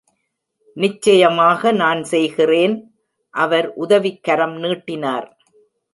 "நிச்சயமாக நான் செய்கிறேன்," அவர் உதவிக்கரம் நீட்டினார்.